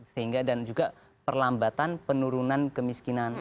sehingga dan juga perlambatan penurunan kemiskinan